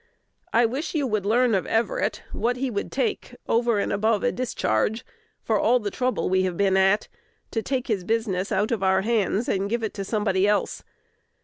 I wish you would learn of Everett what he would take, over and above a discharge, for all trouble we have been at, to take his business out of our hands and give it to somebody else.